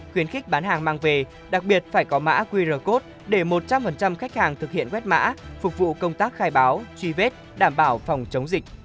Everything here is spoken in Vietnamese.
khuyến khích bán hàng mang về đặc biệt phải có mã qr code để một trăm linh khách hàng thực hiện quét mã phục vụ công tác khai báo truy vết đảm bảo phòng chống dịch